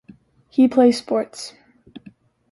He plays sports.